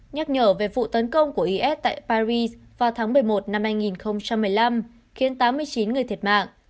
nhắc nhở về vụ tấn công của is tại paris vào tháng một mươi một năm hai nghìn một mươi năm khiến tám mươi chín người thiệt mạng